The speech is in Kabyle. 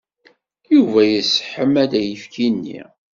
Yuba yesseḥma-d ayefki-nni.